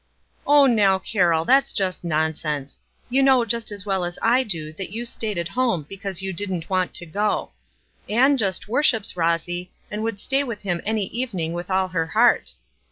"Oh, now, Carroll, that's just nonsense I You know just as well as I do that you stayed at home because you didn't want to go. Ann just about worships Kossy, and would stay with him any evening with all her heart.